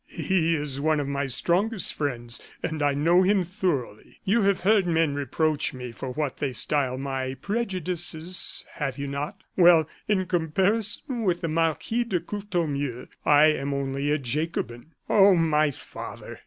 He is one of my strongest friends; and I know him thoroughly. You have heard men reproach me for what they style my prejudices, have you not? Well, in comparison with the Marquis de Courtornieu, I am only a Jacobin." "Oh! my father!"